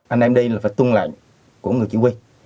anh em đi là phải tuân lại của người chỉ huy